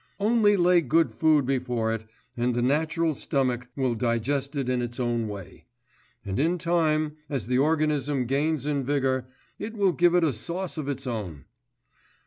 Only lay good food before it, and the natural stomach will digest it in its own way; and in time, as the organism gains in vigour, it will give it a sauce of its own.